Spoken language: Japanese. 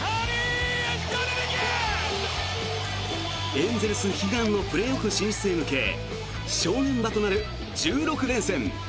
エンゼルス悲願のプレーオフ進出へ向け正念場となる１６連戦。